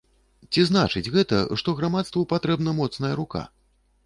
Ці значыць гэта, што грамадству патрэбна моцная рука?